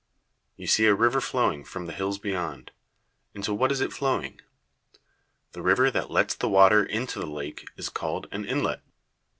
] You see a river flowing from the hills beyond. Into what is it flowing? The river that lets the water into the lake is called an inlet.